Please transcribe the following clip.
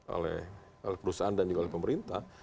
oleh perusahaan dan juga oleh pemerintah